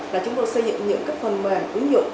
là chúng tôi xây dựng những phần mềm ứng dụng